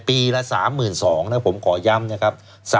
ปีละ๓๒๐๐๐บาทนะครับผมขอย้ำนะครับ